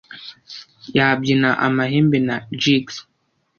yabyina amahembe na jigs